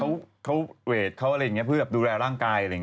เค้าเขาเมวเขาเนี่ยเพื่อแบบดูแลร่างกายอะไรแบบนี้